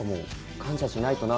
感謝しないとだ。